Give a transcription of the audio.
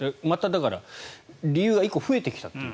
だから、理由が１個増えてきたという。